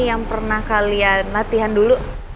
yang pernah kalian latihan dulu